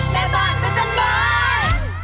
แม่บอดพัชน์บอด